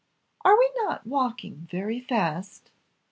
"Are not we walking very fast?"